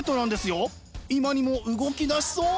今にも動き出しそう！